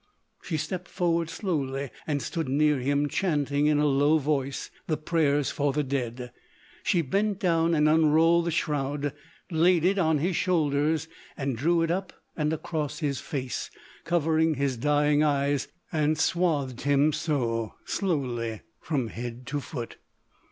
She stepped forward, slowly, and stood near him chanting in a low voice the Prayers for the Dead She bent down and unrolled the shroud, laid it on his shoulders and drew it up and across his face, covering his dying eyes, and swathed him so, slowly, from head to foot.